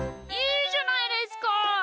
いいじゃないですか。